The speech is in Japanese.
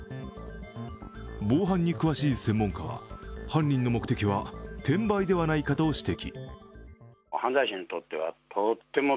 防犯に詳しい専門家は犯人の目的は転売ではないかと指摘。